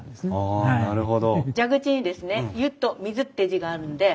あなるほど。